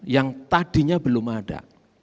yang tadinya belum ada